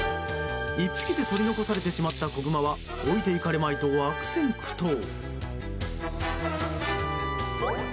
１匹で取り残されてしまった子グマは置いて行かれまいと悪戦苦闘。